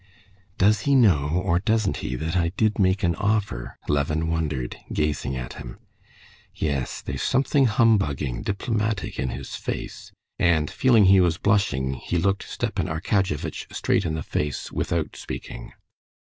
"Does he know, or doesn't he, that I did make an offer?" Levin wondered, gazing at him. "Yes, there's something humbugging, diplomatic in his face," and feeling he was blushing, he looked Stepan Arkadyevitch straight in the face without speaking.